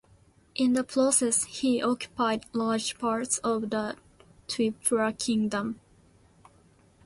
In the process he occupied large parts of the Twipra Kingdom.